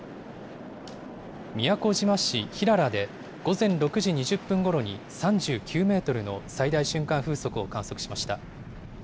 宮古島市平良で午前６時２０分ごろに３９メートルの最大瞬間風速を観測しました。